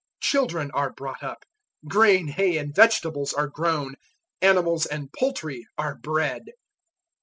Children are brought up, grain, hay and vegetables are grown, animals and poultry are bred.